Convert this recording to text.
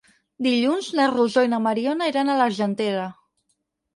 Dilluns na Rosó i na Mariona iran a l'Argentera.